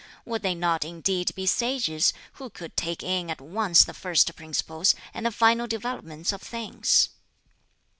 Would they not indeed be sages, who could take in at once the first principles and the final developments of things?"